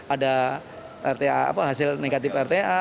ada hasil negatif rta